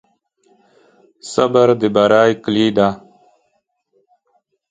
صبر د بری کلي ده.